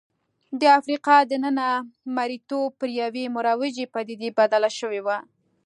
د افریقا دننه مریتوب پر یوې مروجې پدیدې بدل شوی و.